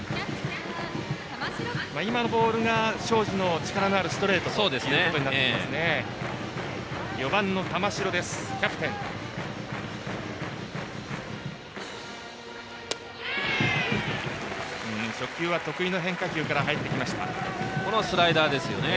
今のボールが庄司の力のあるストレートとなってきますね。